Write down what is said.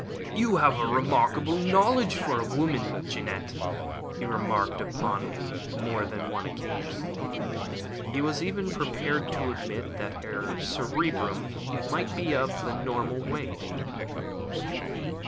"You have a remarkable range of knowledge for a woman, Jeannette," he remarked upon more than one occasion. He was even prepared to admit that her cerebrum might be of the normal weight.